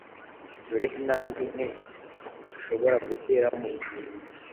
Dore intambwe nke uhobora gutera mubuzima